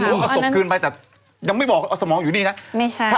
วางไปแล้วอสบคืนไปยังไม่บอกเอาสมองอยู่นี่นะไม่ใช่